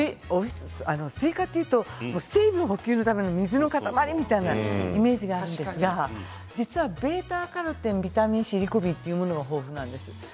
スイカというと水分補給のための水の塊というイメージがありますが実はβ−カロテン、ビタミンＣリコピンというものが豊富なんです。